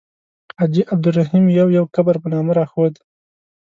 حاجي عبدالرحیم یو یو قبر په نامه راښود.